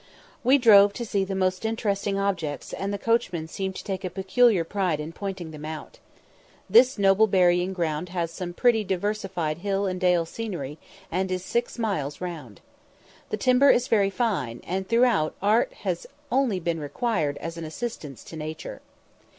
We drove to see the most interesting objects, and the coachman seemed to take a peculiar pride in pointing them out. This noble burying ground has some prettily diversified hill and dale scenery, and is six miles round. The timber is very fine, and throughout art has only been required as an assistance to nature.